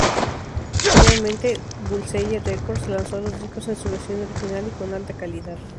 Finalmente, Bullseye Records lanzó los discos en su versión original y con alta calidad.